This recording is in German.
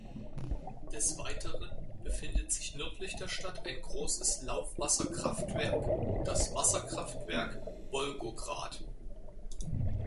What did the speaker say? Des Weiteren befindet sich nördlich der Stadt ein großes Laufwasserkraftwerk, das Wasserkraftwerk Wolgograd.